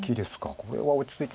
これは落ち着いて。